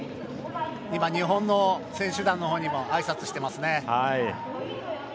日本の選手団のほうにもあいさつしましたね。